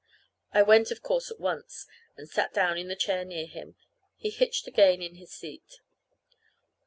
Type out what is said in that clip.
I went, of course, at once, and sat down in the chair near him. He hitched again in his seat.